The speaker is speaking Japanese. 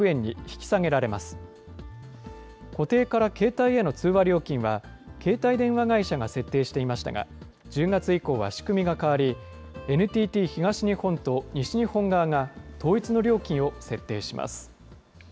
固定から携帯への通話料金は、携帯電話会社が設定していましたが、１０月以降は仕組みが変わり、ＮＴＴ東日本と西日本側が、Ｅｙｅｓｏｎです。